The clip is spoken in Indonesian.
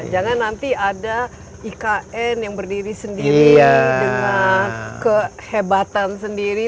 jangan nanti ada ikn yang berdiri sendiri dengan kehebatan sendiri